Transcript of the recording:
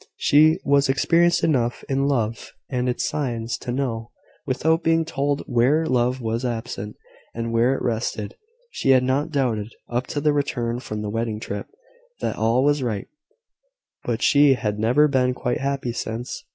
She was experienced enough in love and its signs to know, without being told where love was absent, and where it rested. She had not doubted, up to the return from the wedding trip, that all was right; but she had never been quite happy since.